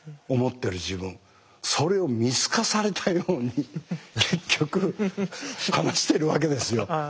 それを見透かされたように結局話してるわけですよ。